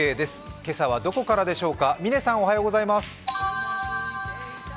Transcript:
今朝はどこからでしょうか、嶺さん、おはようございます。